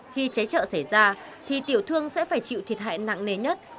khi cháy trợ xảy ra thì tiểu thương sẽ phải chịu thiệt hại nặng nề nhất